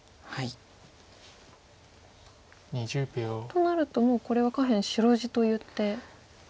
となるともうこれは下辺白地といって。